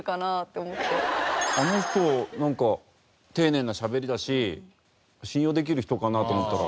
あの人なんか丁寧なしゃべりだし信用できる人かなと思ったら。